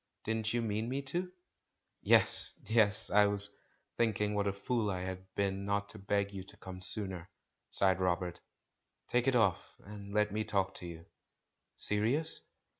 Didn't you mean me to?" "Yes, yes; I was thinking what a fool I had been not to beg you to come sooner," sighed Rob ert. "Take it off, and let me talk to you." "Serious?"